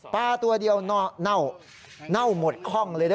ตัวเดียวเน่าเน่าหมดคล่องเลยนะ